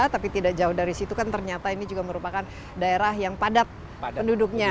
tapi tidak jauh dari situ kan ternyata ini juga merupakan daerah yang padat penduduknya